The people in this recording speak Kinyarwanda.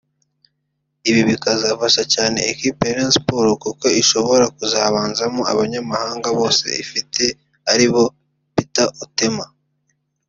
ibi bikazafasha cyane ikipe ya Rayon Sports kuko ishobora kuzabanzamo abanyamahanga bsose ifite aribo Peter Otema